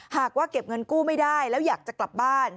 หากว่าเก็บเงินกู้ไม่ได้แล้วอยากจะกลับบ้าน